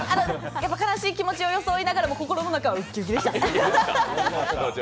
やっぱり悲しい気持ちを装いながらも心の中はウッキウキでした。